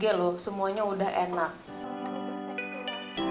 kita gak perlu msg lho semuanya udah enak